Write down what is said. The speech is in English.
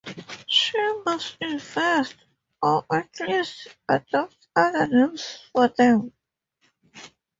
She must invent or at least adopt other names for them.